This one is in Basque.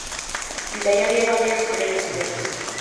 Bidaiari hegaldiak ziren guztiak.